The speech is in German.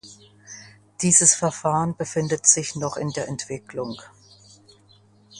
Dieses Verfahren befindet sich noch in der Entwicklung.